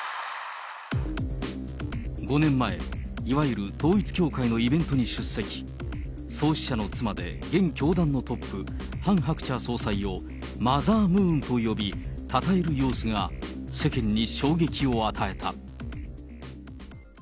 ５年前、いわゆる統一教会のイベントに出席、創始者の妻で現教団のトップ、ハン・ハクチャ総裁をマザームーンと呼び、たたえる様子が、世間に衝撃を与えた。